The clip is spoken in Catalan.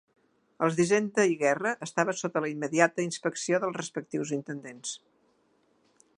Els d'hisenda i guerra estaven sota la immediata inspecció dels respectius intendents.